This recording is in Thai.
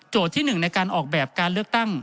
โจทย์ที่หนึ่งในการออกแบบการเลือกตั้ง